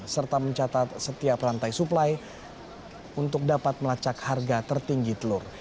serta mencatat setiap rantai suplai untuk dapat melacak harga tertinggi telur